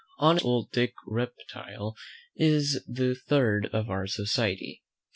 Honest old Dick Reptile is the third of our society.